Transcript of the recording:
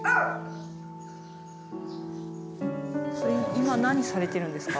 今何されてるんですか？